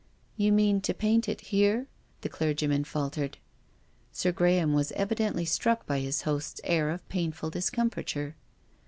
" Yf)u mean to paint it here?" the clergyman faltered. Sir Graham was evidently struck by his host's air of painful discomfiture.